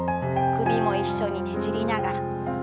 首も一緒にねじりながら。